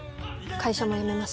会社も辞めます。